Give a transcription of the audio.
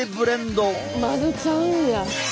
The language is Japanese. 混ぜちゃうんや！